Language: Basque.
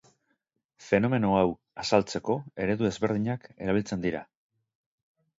Fenomeno hau azaltzeko eredu ezberdinak erabiltzen dira.